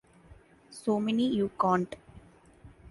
So many you can't.